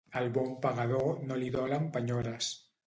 Al bon pagador, no li dolen penyores.